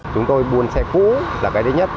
chúng tôi buôn xe cũ là cái thứ nhất